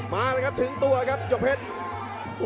มาเลยครับถึงตัวครับยกเพชร